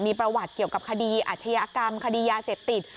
มีประวัติเกี่ยวกับคดีอาชญากรรมคดียาเสพติด